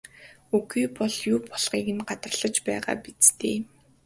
Үгүй бол юу болохыг гадарлаж байгаа биз дээ?